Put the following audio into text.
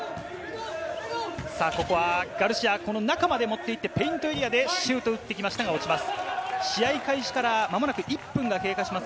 ここはガルシア、中まで持っていって、ペイントエリアでシュートを打ってきましたが、シュート落ちます。